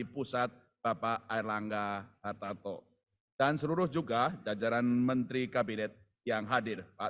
pusat bapak erlangga hartarto dan seluruh juga jajaran menteri kabinet yang hadir pak